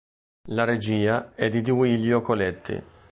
La regia è di Duilio Coletti.